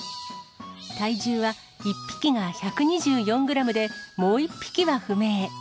体重は１匹が１２４グラムで、もう１匹は不明。